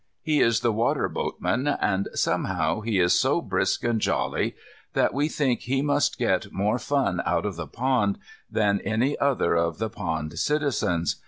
He is the water boatman, and somehow he is so brisk and jolly that we think he must get more fun out of the pond than any other of the pond citizens.